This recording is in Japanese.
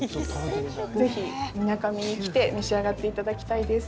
ぜひ、みなかみに来て召し上がっていただきたいです。